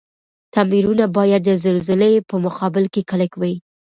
تعميرونه باید د زلزلي په مقابل کي کلک وی.